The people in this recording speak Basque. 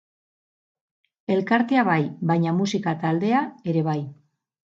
Elkartea bai, baina musika taldea ere bai.